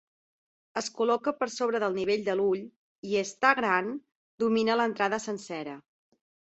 Es col·loca per sobre del nivell de l'ull, i és ta gran domina l'entrada sencera.